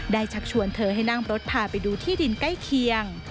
ชักชวนเธอให้นั่งรถพาไปดูที่ดินใกล้เคียง